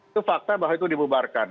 itu fakta bahwa itu dibubarkan